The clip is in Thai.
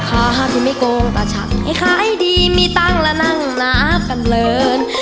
ห้ามที่ไม่โกงตาชัดให้ขายดีมีตังค์และนั่งนับกันเลิน